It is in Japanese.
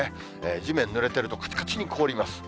地面ぬれてると、かちかちに凍ります。